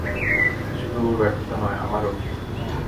এটা শুধু ওর ব্যর্থতা নয়, আমারও।